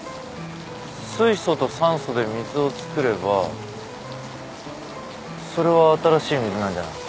水素と酸素で水を作ればそれは新しい水なんじゃないか？